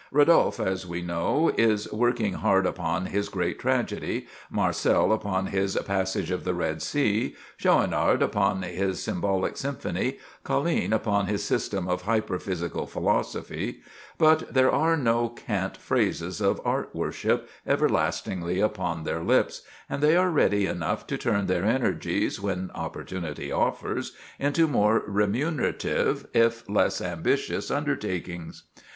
Rodolphe, as we know, is working hard upon his great tragedy; Marcel, upon his "Passage of the Red Sea"; Schaunard, upon his symbolic symphony; Colline, upon his system of "Hyperphysical Philosophy": but there are no cant phrases of art worship everlastingly upon their lips, and they are ready enough to turn their energies, when opportunity offers, into more remunerative, if less ambitious, undertakings.